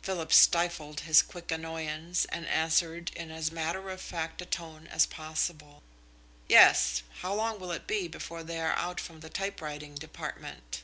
Philip stifled his quick annoyance and answered in as matter of fact a tone as possible. "Yes! How long will it be before they are out from the typewriting department?"